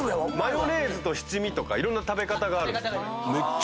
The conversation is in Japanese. マヨネーズと七味とかいろんな食べ方があるんですこれ。